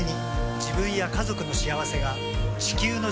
自分や家族の幸せが地球の幸せにつながっている。